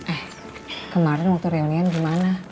eh kemarin waktu reunian gimana